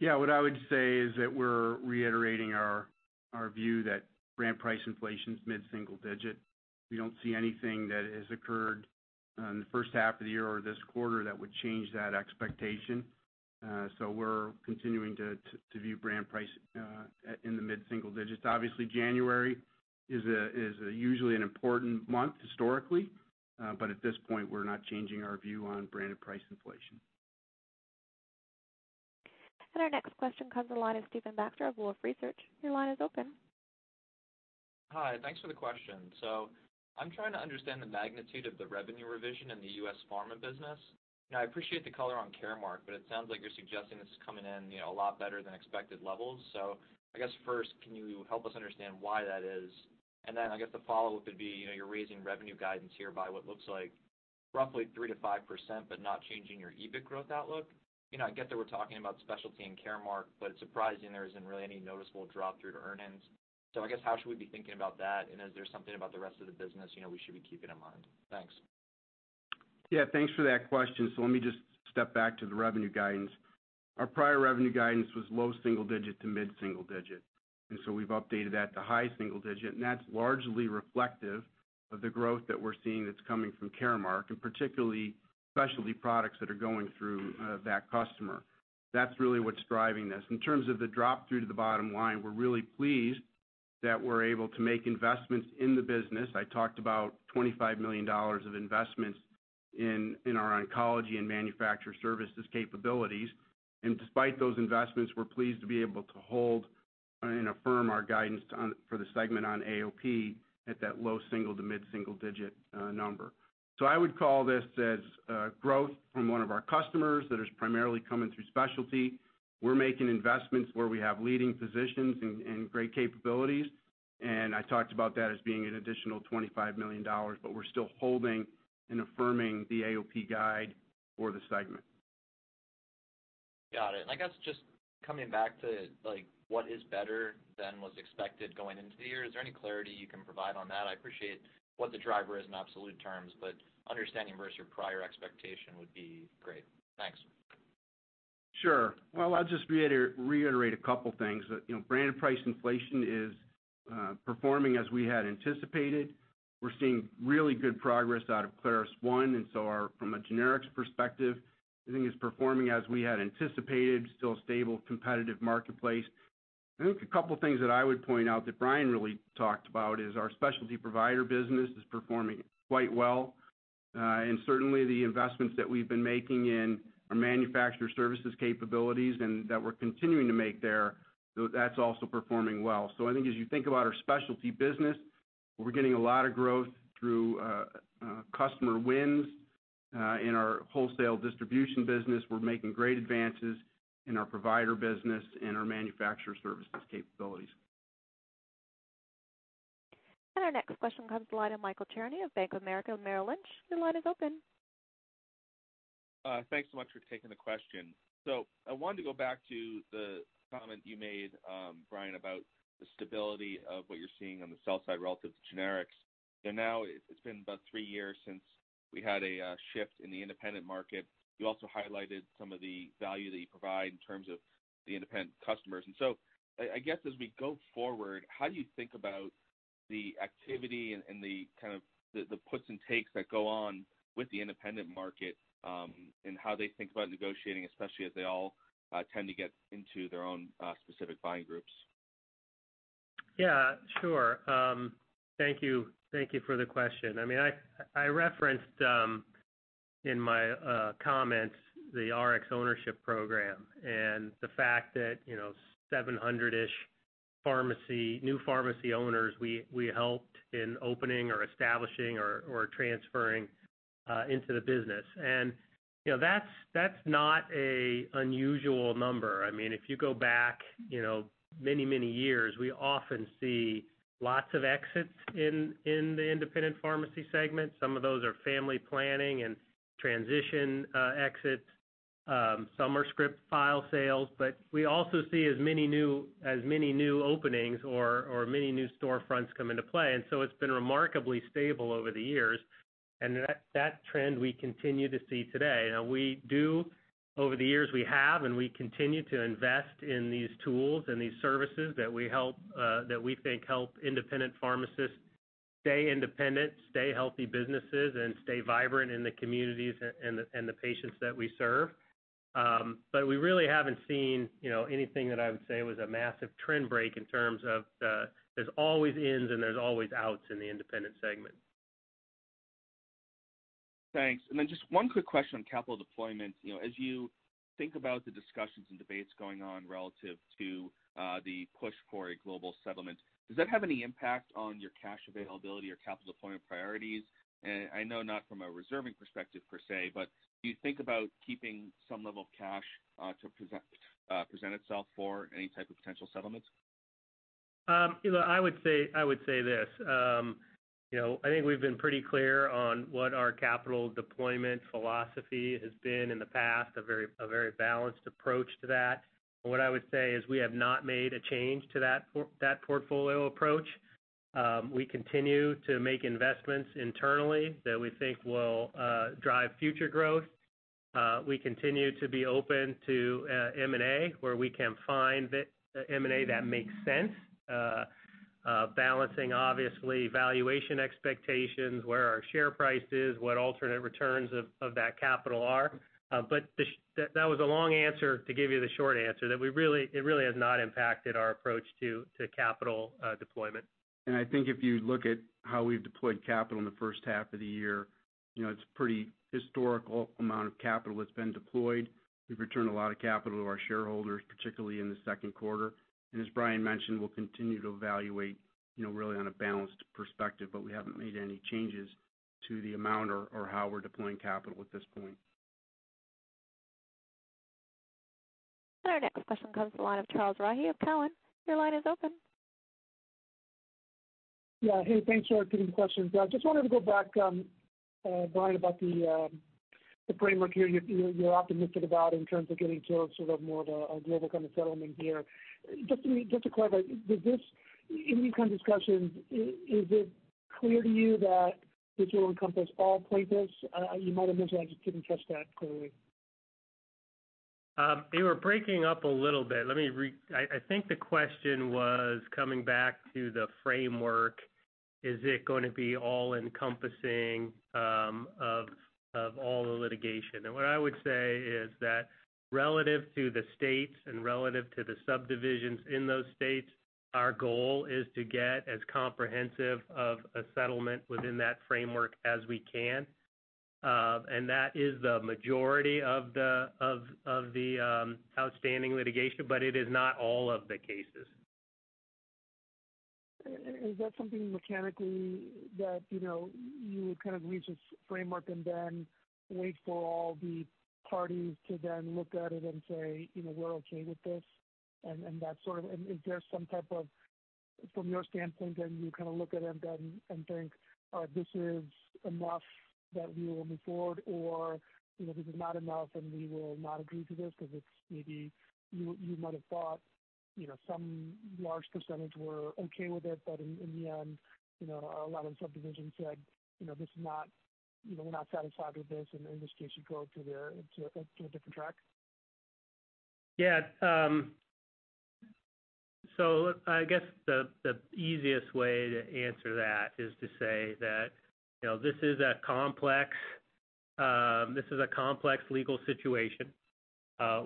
Yeah. What I would say is that we're reiterating our view that brand price inflation's mid-single digit. We don't see anything that has occurred in the first half of the year or this quarter that would change that expectation. We're continuing to view brand price in the mid-single digits. Obviously, January is usually an important month historically, but at this point, we're not changing our view on branded price inflation. Our next question comes from the line of Stephen Baxter of Wolfe Research. Your line is open. Hi. Thanks for the question. I'm trying to understand the magnitude of the revenue revision in the U.S. pharma business. I appreciate the color on Caremark, but it sounds like you're suggesting this is coming in a lot better than expected levels. I guess first, can you help us understand why that is? Then I guess the follow-up would be, you're raising revenue guidance here by what looks like roughly 3%-5%, but not changing your EBIT growth outlook. I get that we're talking about specialty and Caremark, but it's surprising there isn't really any noticeable drop through to earnings. I guess how should we be thinking about that, and is there something about the rest of the business we should be keeping in mind? Thanks. Thanks for that question. Let me just step back to the revenue guidance. Our prior revenue guidance was low single-digit to mid-single-digit, we've updated that to high single-digit, and that's largely reflective of the growth that we're seeing that's coming from Caremark and particularly specialty products that are going through that customer. That's really what's driving this. In terms of the drop through to the bottom line, we're really pleased that we're able to make investments in the business. I talked about $25 million of investments in our oncology and manufacturer services capabilities. Despite those investments, we're pleased to be able to hold and affirm our guidance for the segment on AOP at that low single-digit to mid-single-digit number. I would call this as growth from one of our customers that is primarily coming through specialty. We're making investments where we have leading positions and great capabilities. I talked about that as being an additional $25 million. We're still holding and affirming the AOP guide for the segment. Got it. I guess just coming back to what is better than was expected going into the year. Is there any clarity you can provide on that? I appreciate what the driver is in absolute terms, but understanding versus your prior expectation would be great. Thanks. Sure. Well, I'll just reiterate a couple things. Branded price inflation is performing as we had anticipated. We're seeing really good progress out of ClarusONE, and so from a generics perspective, everything is performing as we had anticipated, still a stable, competitive marketplace. I think a couple things that I would point out that Brian really talked about is our specialty provider business is performing quite well. Certainly, the investments that we've been making in our manufacturer services capabilities and that we're continuing to make there, that's also performing well. I think as you think about our specialty business, we're getting a lot of growth through customer wins in our wholesale distribution business. We're making great advances in our provider business and our manufacturer services capabilities. Our next question comes the line of Michael Cherny of Bank of America Merrill Lynch. Your line is open. Thanks so much for taking the question. I wanted to go back to the comment you made, Brian, about the stability of what you're seeing on the sell side relative to generics. It's been about three years since we had a shift in the independent market. You also highlighted some of the value that you provide in terms of the independent customers. I guess as we go forward, how do you think about the activity and the puts and takes that go on with the independent market, and how they think about negotiating, especially as they all tend to get into their own specific buying groups? Yeah, sure. Thank you for the question. I referenced in my comments the RxOwnership Program and the fact that 700-ish new pharmacy owners we helped in opening or establishing or transferring into the business. That's not a unusual number. If you go back many years, we often see lots of exits in the independent pharmacy segment. Some of those are family planning and transition exits. Some are script file sales. We also see as many new openings or many new storefronts come into play. It's been remarkably stable over the years, and that trend we continue to see today. Over the years, we have and we continue to invest in these tools and these services that we think help independent pharmacists stay independent, stay healthy businesses, and stay vibrant in the communities and the patients that we serve. We really haven't seen anything that I would say was a massive trend break in terms of there's always ins and there's always outs in the independent segment. Thanks. Then just one quick question on capital deployment. As you think about the discussions and debates going on relative to the push for a global settlement, does that have any impact on your cash availability or capital deployment priorities? I know not from a reserving perspective, per se, but do you think about keeping some level of cash to present itself for any type of potential settlements? I would say this. I think we've been pretty clear on what our capital deployment philosophy has been in the past, a very balanced approach to that. What I would say is we have not made a change to that portfolio approach. We continue to make investments internally that we think will drive future growth. We continue to be open to M&A, where we can find M&A that makes sense, balancing, obviously, valuation expectations, where our share price is, what alternate returns of that capital are. That was a long answer to give you the short answer, that it really has not impacted our approach to capital deployment. I think if you look at how we've deployed capital in the first half of the year, it's pretty historical amount of capital that's been deployed. We've returned a lot of capital to our shareholders, particularly in the second quarter. As Brian mentioned, we'll continue to evaluate really on a balanced perspective, but we haven't made any changes to the amount or how we're deploying capital at this point. Our next question comes the line of Charles Rhyee of Cowen. Your line is open. Hey, thanks for taking the question. Just wanted to go back, Brian, about the framework here you're optimistic about in terms of getting to sort of more of a global kind of settlement here. Just to clarify, in these kind of discussions, is it clear to you that this will encompass all plaintiffs? You might have mentioned, I just didn't catch that clearly. You were breaking up a little bit. I think the question was coming back to the framework, is it going to be all encompassing of all the litigation? What I would say is that relative to the states and relative to the subdivisions in those states, our goal is to get as comprehensive of a settlement within that framework as we can. That is the majority of the outstanding litigation, but it is not all of the cases. Is that something mechanically that you would kind of reach this framework and then wait for all the parties to then look at it and say, "We're okay with this," and that sort of? Is there some type of, from your standpoint, then you kind of look at it then and think, "This is enough that we will move forward," or, "This is not enough, and we will not agree to this," because it's maybe you might have thought some large percentage were okay with it. In the end, a lot of subdivisions said, "This is not. You're not satisfied with this, and the industry should go to a different track? Yeah. I guess the easiest way to answer that is to say that this is a complex legal situation.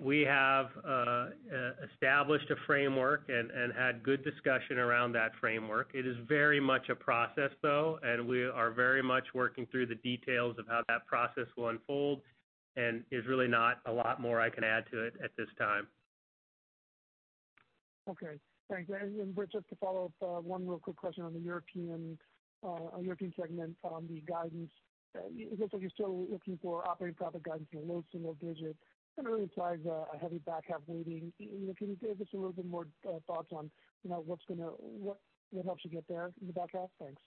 We have established a framework and had good discussion around that framework. It is very much a process, though, and we are very much working through the details of how that process will unfold, and is really not a lot more I can add to it at this time. Okay, thanks. Britt, just to follow up, one real quick question on the European Segment on the guidance. It looks like you're still looking for operating profit guidance in the low single digits, kind of really implies a heavy back half weighting. Can you give us a little bit more thoughts on what helps you get there in the back half? Thanks.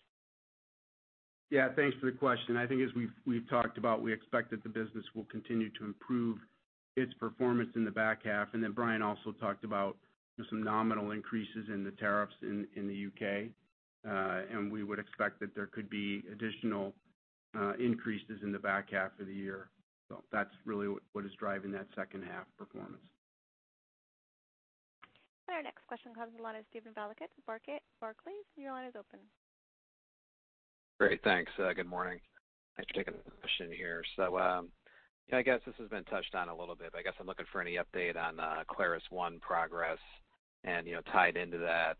Yeah, thanks for the question. I think as we've talked about, we expect that the business will continue to improve its performance in the back half. Brian also talked about some nominal increases in the tariffs in the U.K. We would expect that there could be additional increases in the back half of the year. That's really what is driving that second half performance. Our next question comes on the line of Steven Valiquette at Barclays. Your line is open. Great, thanks. Good morning. Thanks for taking the question here. I guess this has been touched on a little bit, but I'm looking for any update on ClarusONE progress and, tied into that,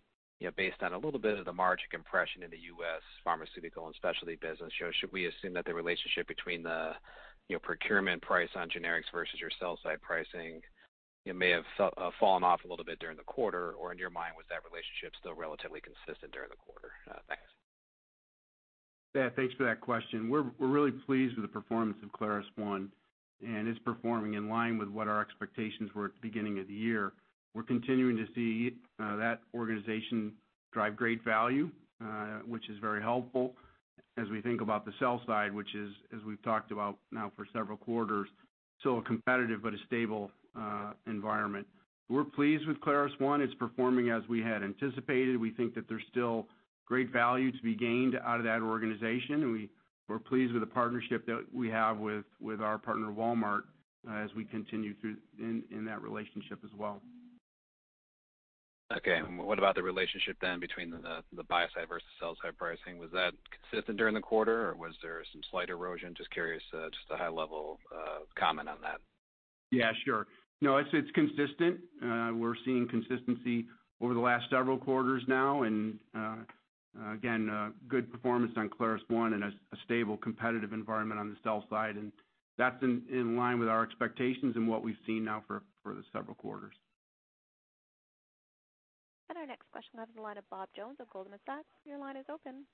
based on a little bit of the margin compression in the U.S. Pharmaceutical and specialty business, should we assume that the relationship between the procurement price on generics versus your sell side pricing, may have fallen off a little bit during the quarter? In your mind, was that relationship still relatively consistent during the quarter? Thanks. Yeah, thanks for that question. We're really pleased with the performance of ClarusONE, and it's performing in line with what our expectations were at the beginning of the year. We're continuing to see that organization drive great value, which is very helpful as we think about the sell side, which is, as we've talked about now for several quarters, still a competitive but a stable environment. We're pleased with ClarusONE. It's performing as we had anticipated. We think that there's still great value to be gained out of that organization, and we're pleased with the partnership that we have with our partner, Walmart, as we continue in that relationship as well. Okay. What about the relationship then between the buy side versus sell side pricing? Was that consistent during the quarter, or was there some slight erosion? Just curious, just a high-level comment on that. Yeah, sure. No, it's consistent. We're seeing consistency over the last several quarters now and, again, good performance on ClarusONE and a stable, competitive environment on the sell side, and that's in line with our expectations and what we've seen now for the several quarters. Our next question comes to the line of Robert Jones of Goldman Sachs. Your line is open.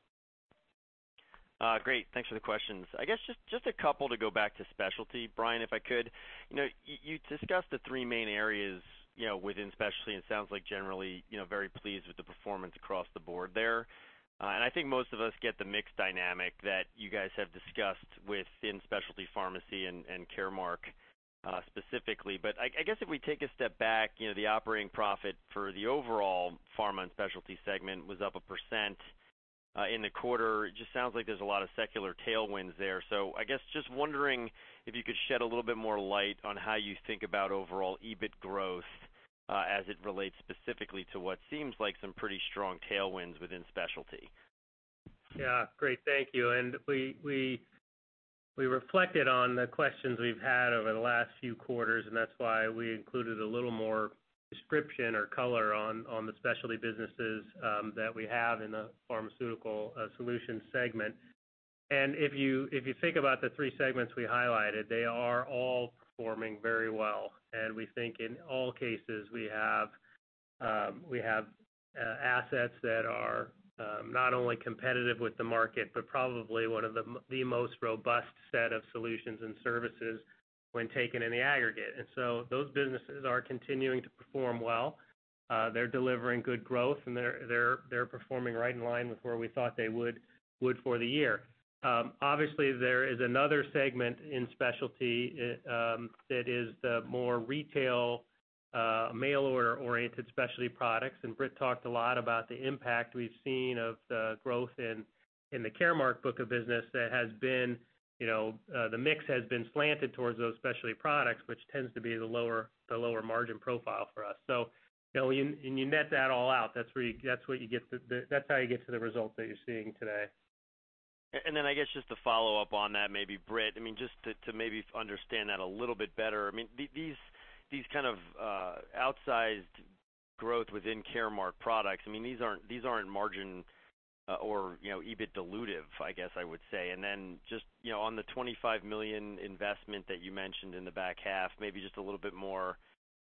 Great. Thanks for the questions. I guess just a couple to go back to specialty, Brian, if I could. You discussed the three main areas within specialty, and it sounds like generally you're very pleased with the performance across the board there. I think most of us get the mix dynamic that you guys have discussed within specialty pharmacy and Caremark specifically. I guess if we take a step back, the operating profit for the overall pharma and specialty segment was up 1% in the quarter. It just sounds like there's a lot of secular tailwinds there. I guess just wondering if you could shed a little bit more light on how you think about overall EBIT growth, as it relates specifically to what seems like some pretty strong tailwinds within specialty. Yeah. Great, thank you. We reflected on the questions we've had over the last few quarters, and that's why we included a little more description or color on the specialty businesses that we have in the pharmaceutical solutions segment. If you think about the three segments we highlighted, they are all performing very well, and we think in all cases, we have assets that are not only competitive with the market, but probably one of the most robust set of solutions and services when taken in the aggregate. So those businesses are continuing to perform well. They're delivering good growth, and they're performing right in line with where we thought they would for the year. Obviously, there is another segment in specialty, that is the more retail, mail order-oriented specialty products. Britt talked a lot about the impact we've seen of the growth in the Caremark book of business that has been slanted towards those specialty products, which tends to be the lower margin profile for us. When you net that all out, that's how you get to the results that you're seeing today. I guess just to follow up on that, maybe Britt, just to maybe understand that a little bit better. These kind of outsized growth within Caremark products, these aren't margin or EBIT dilutive, I guess I would say. Just on the $25 million investment that you mentioned in the back half, maybe just a little bit more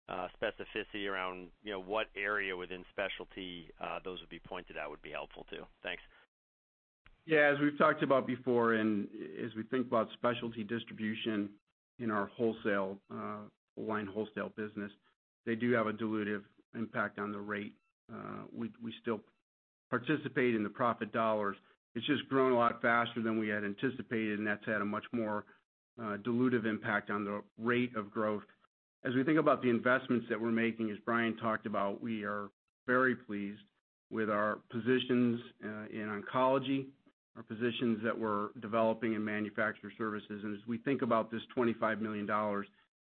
specificity around what area within specialty those would be pointed at would be helpful too. Thanks. Yeah, as we've talked about before, as we think about specialty distribution in our line wholesale business, they do have a dilutive impact on the rate. We still participate in the profit dollars. It's just grown a lot faster than we had anticipated, that's had a much more dilutive impact on the rate of growth. As we think about the investments that we're making, as Brian talked about, we are very pleased with our positions in oncology, our positions that we're developing in manufacturing services. As we think about this $25 million,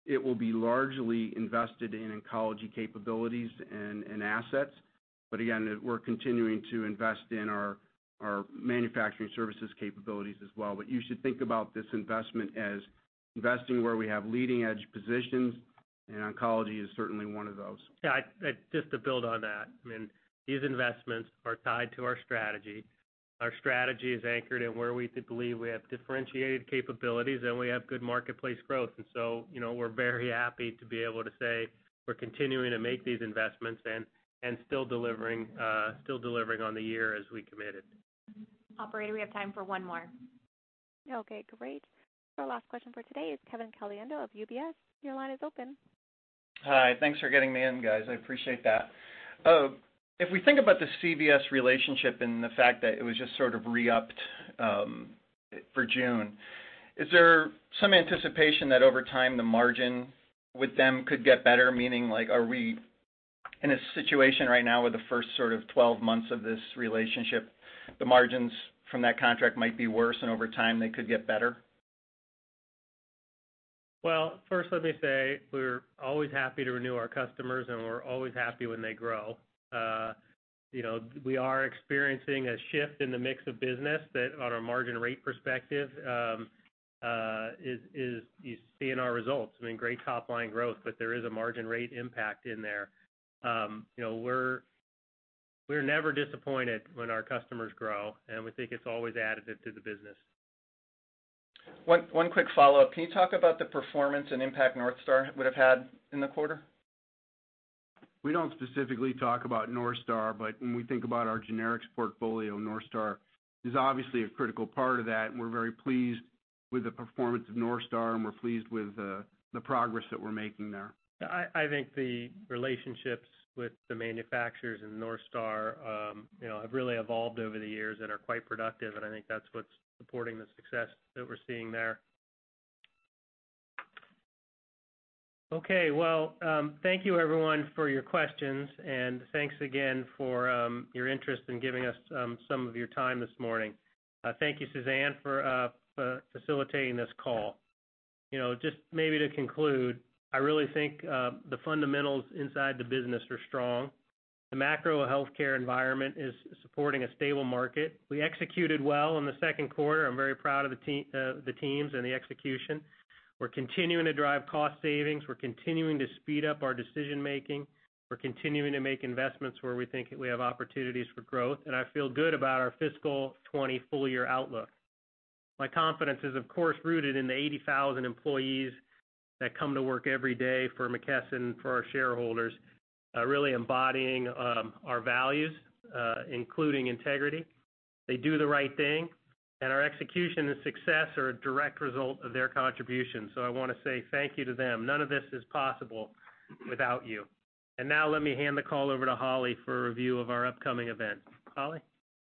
it will be largely invested in oncology capabilities and assets. Again, we're continuing to invest in our manufacturing services capabilities as well. You should think about this investment as investing where we have leading-edge positions, oncology is certainly one of those. Yeah, just to build on that, these investments are tied to our strategy. Our strategy is anchored in where we believe we have differentiated capabilities, and we have good marketplace growth. We're very happy to be able to say we're continuing to make these investments and still delivering on the year as we committed. Operator, we have time for one more. Okay, great. Last question for today is Kevin Caliendo of UBS. Your line is open. Hi. Thanks for getting me in, guys. I appreciate that. We think about the CVS relationship and the fact that it was just sort of re-upped for June, is there some anticipation that over time the margin with them could get better? Meaning, are we in a situation right now with the first 12 months of this relationship, the margins from that contract might be worse, and over time they could get better? First let me say, we're always happy to renew our customers, and we're always happy when they grow. We are experiencing a shift in the mix of business that on a margin rate perspective, you see in our results. Great top-line growth. There is a margin rate impact in there. We're never disappointed when our customers grow, and we think it's always additive to the business. One quick follow-up. Can you talk about the performance and impact NorthStar would've had in the quarter? We don't specifically talk about NorthStar, but when we think about our generics portfolio, NorthStar is obviously a critical part of that, and we're very pleased with the performance of NorthStar, and we're pleased with the progress that we're making there. I think the relationships with the manufacturers and NorthStar have really evolved over the years and are quite productive, and I think that's what's supporting the success that we're seeing there. Okay. Well, thank you everyone for your questions, and thanks again for your interest in giving us some of your time this morning. Thank you, Suzanne, for facilitating this call. Just maybe to conclude, I really think, the fundamentals inside the business are strong. The macro healthcare environment is supporting a stable market. We executed well in the second quarter. I'm very proud of the teams and the execution. We're continuing to drive cost savings. We're continuing to speed up our decision-making. We're continuing to make investments where we think we have opportunities for growth, and I feel good about our fiscal 2020 full-year outlook. My confidence is, of course, rooted in the 80,000 employees that come to work every day for McKesson, for our shareholders, really embodying our values, including integrity. They do the right thing, and our execution and success are a direct result of their contribution. I want to say thank you to them. None of this is possible without you. Now let me hand the call over to Holly for a review of our upcoming events. Holly?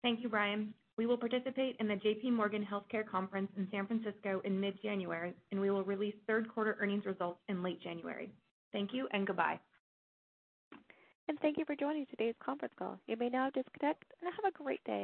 Thank you, Brian. We will participate in the J.P. Morgan Healthcare Conference in San Francisco in mid-January, and we will release third-quarter earnings results in late January. Thank you and goodbye. Thank you for joining today's conference call. You may now disconnect and have a great day.